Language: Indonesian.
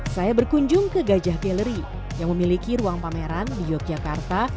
saya berkunjung ke gajah gallery yang memiliki ruang pameran di yogyakarta